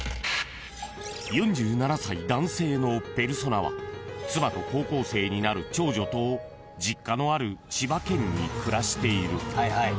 ［４７歳男性のペルソナは妻と高校生になる長女と実家のある千葉県に暮らしている］